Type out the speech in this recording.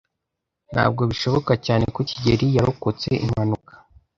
Ntabwo bishoboka cyane ko kigeli yarokotse impanuka.